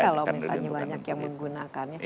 kalau misalnya banyak yang menggunakannya